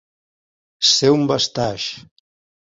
Ser un bastaix.